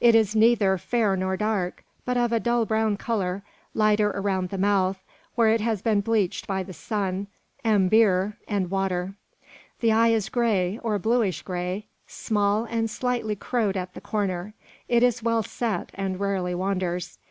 It is neither fair nor dark, but of a dull brown colour, lighter around the mouth, where it has been bleached by the sun, "ambeer," and water. The eye is grey, or bluish grey, small, and slightly crowed at the corner. It is well set, and rarely wanders.